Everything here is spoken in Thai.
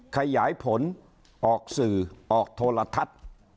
ขยายผลออกสื่อออกโทรทัศน์